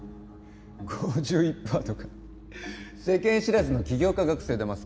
５１パーとか世間知らずの起業家学生だます